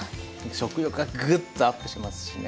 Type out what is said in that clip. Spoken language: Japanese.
食欲がグッとアップしますしね。